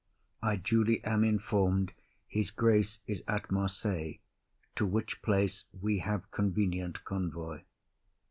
I duly am inform'd His grace is at Marseilles; to which place We have convenient convoy.